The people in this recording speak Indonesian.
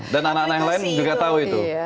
dan anak anak yang lain juga tahu itu